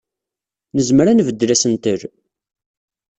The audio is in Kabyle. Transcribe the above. Nezmer ad nbeddel asentel?